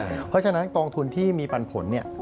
เพราะฉะนั้นกองทุนที่มีปันผลเนี่ย